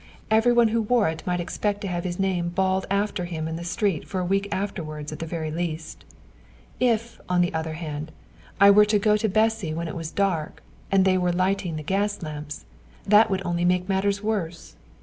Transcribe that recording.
Every one who wore it might expect to have his name bawled after him in the street for a week afterwards at the very least. If, on the other hand, I were to go to Bessy when it was dark, and they were lighting the gas lamps, that would only make matters worse.